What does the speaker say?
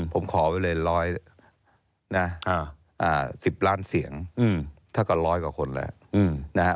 ผมขอไว้เลย๑๐ล้านเสียงถ้าก็ร้อยกว่าคนแล้วนะฮะ